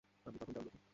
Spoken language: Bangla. আমি তখন জাগ্রত।